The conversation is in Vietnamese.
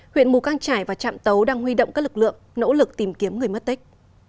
huyện mù căng trải và trạm tấu đang huy động các lực lượng nỗ lực tìm kiếm người mất tích